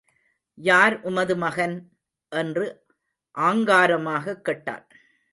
யார் உமது மகன்? என்று ஆங்காரமாகக் கேட்டான்.